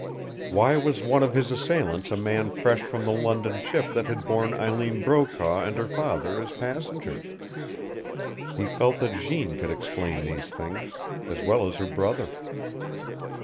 Why was one of his assailants a man fresh from the London ship that had borne Eileen Brokaw and her father as passengers? He felt that Jeanne could explain these things, as well as her brother.